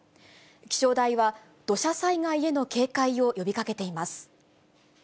気象台は土砂災害への警戒を呼びかけています。